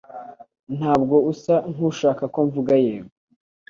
Ntabwo usa nkushaka ko mvuga yego